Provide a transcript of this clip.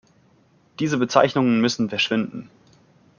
Diese Bezeichnungen müssen verschwinden.